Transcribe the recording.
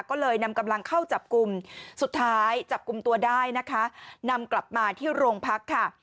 ก็เลยนำกำลังเข้าจับกลุ่มสุดท้ายจับกลุ่มตัวได้นะคะนำกลับมาที่โรงพักค่ะ